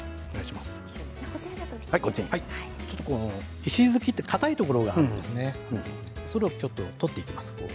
石突きというかたいところがあるのでそれを取っていきます。